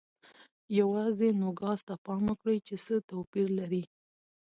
یوازې نوګالس ته پام وکړئ چې څه توپیر لري.